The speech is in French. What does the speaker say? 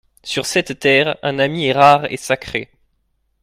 Sur cette terre, un ami est rare et sacré.